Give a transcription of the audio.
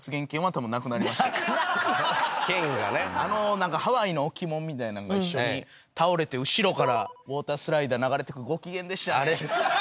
何かハワイの置物みたいなんが一緒に倒れて後ろからウオータースライダー流れてごきげんでしたね。